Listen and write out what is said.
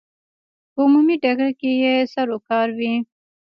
په عمومي ډګر کې یې سروکار وي.